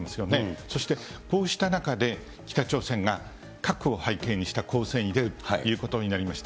そしてこうした中で、北朝鮮が核を背景にした攻勢に出るということになりました。